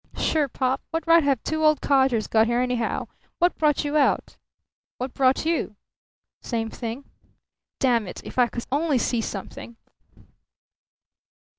"Sure pop! What right have two old codgers got here, anyhow? What brought you out?" "What brought you?" "Same thing." "Damn it! If I could only see something!"